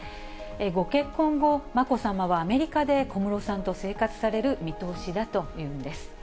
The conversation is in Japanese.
ご結婚後、まこさまはアメリカで小室さんと生活される見通しだというんです。